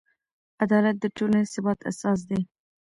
عدالت د ټولنیز ثبات اساس دی.